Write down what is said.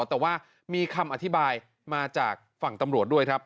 แต่ว่ามีคำอธิบายมาจากฝั่งตำรวจด้วยครับ